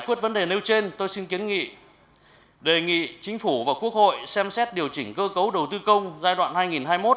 với vấn đề nêu trên tôi xin kiến nghị đề nghị chính phủ và quốc hội xem xét điều chỉnh cơ cấu đầu tư công giai đoạn hai nghìn hai mươi một hai nghìn hai mươi năm